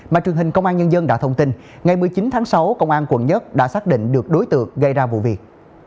mà truyền hình công an nhân dân đã thông tin ngày một mươi chín tháng sáu công an quận một đã xác định được đối tượng gây ra vụ việc